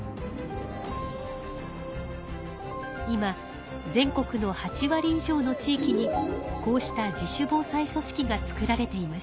今全国の８わり以上の地域にこうした自主防災組織が作られています。